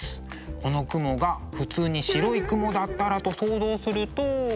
この雲が普通に白い雲だったらと想像すると。